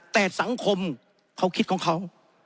แต่สังคมเขาคิดของเขา